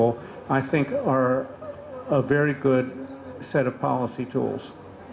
saya pikir adalah aturan kebijakan yang sangat baik